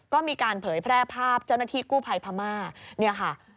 ก็มีการเผยแพร่ภาพเจ้าหน้าที่กู้ภัยพม่าเนี่ยค่ะ